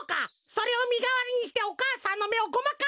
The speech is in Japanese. それをみがわりにしてお母さんのめをごまかそうってわけか！